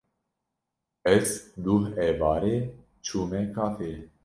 Ez duh êvarê çûme kafeyê.